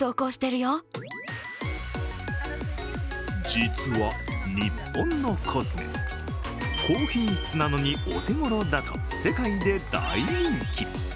実は、日本のコスメ高品質なのにお手ごろだと世界で大人気。